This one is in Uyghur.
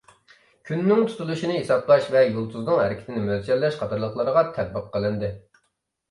كۈننىڭ تۇتۇلۇشىنى ھېسابلاش ۋە يۇلتۇزنىڭ ھەرىكىتىنى مۆلچەرلەش قاتارلىقلارغا تەتبىق قىلىندى.